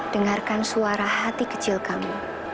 dengarkan suara hati kecil kamu